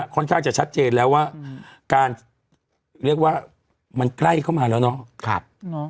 ค่อนข้างจะชัดเจนแล้วว่าการเรียกว่ามันใกล้เข้ามาแล้วเนาะ